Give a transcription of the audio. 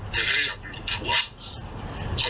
ก็ให้อยากอยู่กับชัวร์